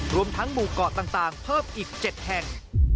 รวมทั้งหมู่เกาะต่างเพิ่มอีก๗แห่ง